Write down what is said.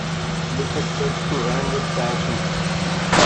Which is said to rime with "darky".